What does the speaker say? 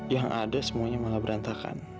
yang ada semuanya malah berantakan